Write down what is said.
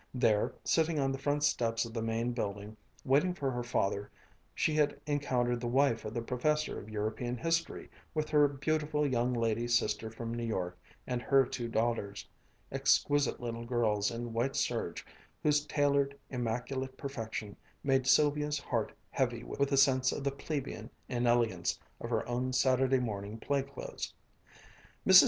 There, sitting on the front steps of the Main Building, waiting for her father, she had encountered the wife of the professor of European History with her beautiful young lady sister from New York and her two daughters, exquisite little girls in white serge, whose tailored, immaculate perfection made Sylvia's heart heavy with a sense of the plebeian inelegance of her own Saturday morning play clothes. Mrs.